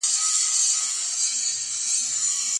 ولي هوډمن سړی د لوستي کس په پرتله ښه ځلېږي؟